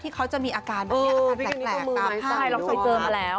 ที่เขาจะมีอาการแหลกตามถ้า